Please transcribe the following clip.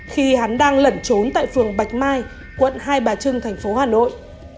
khi hắn đang lẩn trốn tại phường bạch mai quận hai bà trưng tp hà nội